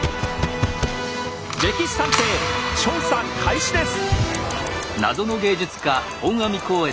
「歴史探偵」調査開始です。